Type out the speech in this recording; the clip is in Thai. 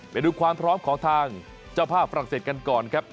ไปดูความพร้อมของทางเจ้าภาพฝรั่งเศสกันก่อนครับ